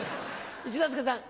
一之輔さん。